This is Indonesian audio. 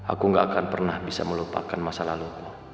aku gak akan pernah bisa melupakan masa lalu